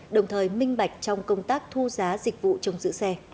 đồng thời minh bạch trong công tác thu giá dịch vụ trông giữ xe